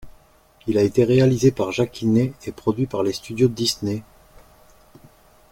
Il a été réalisé par Jack Kinney et produit par les studios Disney.